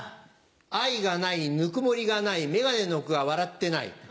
愛がないぬくもりがない眼鏡の奥が笑ってない。